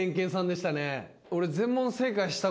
俺。